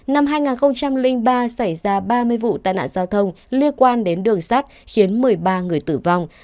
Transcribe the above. năm hai nghìn ba xảy ra ba mươi vụ tai nạn giao thông liên quan đến đường sắt khiến một mươi ba người tử vong